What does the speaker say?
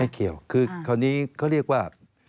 ไม่เกี่ยวคนนี้เขาเรียกว่า